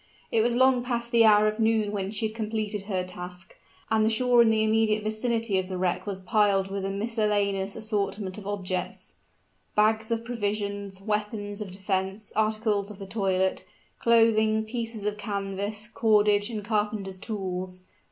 It was long past the hour of noon when she had completed her task; and the shore in the immediate vicinity of the wreck was piled with a miscellaneous assortment of objects bags of provisions, weapons of defense, articles of the toilet, clothing, pieces of canvas, cordage, and carpenter's tools.